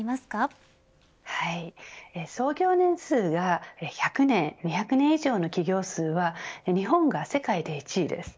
はい、創業年数が１００年、２００年以上の企業数は日本が世界で１位です。